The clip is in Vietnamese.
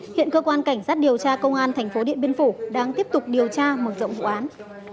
hiện cơ quan cảnh sát điều tra công an thành phố điện biên phủ đang tiếp tục điều tra mở rộng vụ án